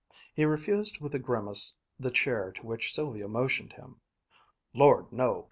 He refused with a grimace the chair to which Sylvia motioned him. "Lord, no!